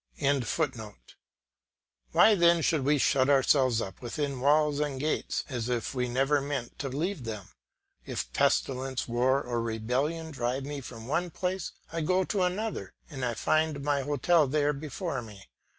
] Why then should we shut ourselves up within walls and gates as if we never meant to leave them? If pestilence, war, or rebellion drive me from one place, I go to another, and I find my hotel there before me.